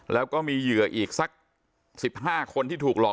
แล้วก็มีเหยื่ออีกสัก๑๕คนที่ถูกหลอก